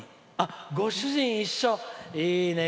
ご主人一緒、いいね。